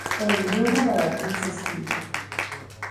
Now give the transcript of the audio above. En idioma marathi se escribe Nashik.